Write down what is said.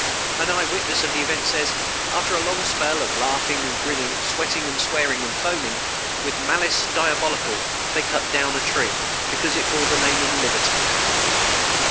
An eye witness of the event says: "After a long spell of laughing and grinning, sweating, swearing, and foaming, with malice diabolical, they cut down a tree, because it bore the name of liberty."